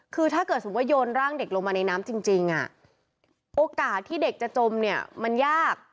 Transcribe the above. คือถ้าเกิดสมมุติโยนร่างเด็กลงมาในน้ำจริงโอกาสที่เด็กจะจมเนี่ยมันยาก